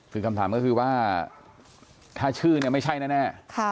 คือคำถามก็คือว่าถ้าชื่อเนี่ยไม่ใช่แน่